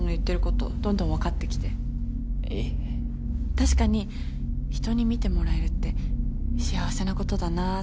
確かに人に見てもらえるって幸せなことだなって。